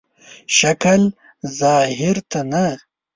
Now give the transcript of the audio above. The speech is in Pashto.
شکل ظاهر ته نه.